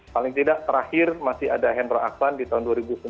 paling tidak terakhir masih ada hendro aksan di tahun dua ribu sembilan